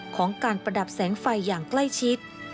ของการประดับแสงไฟอย่างใกล้ชิด